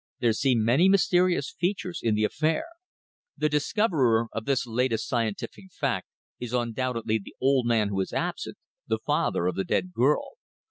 There seem many mysterious features in the affair." "The discoverer of this latest scientific fact is undoubtedly the old man who is absent, the father of the dead girl.